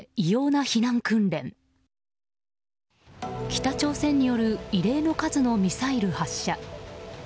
北朝鮮による異例の数のミサイル発射。